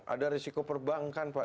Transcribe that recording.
ada risiko perbankan pak